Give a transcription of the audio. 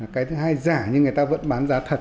cái thứ hai giả nhưng người ta vẫn bán giá thật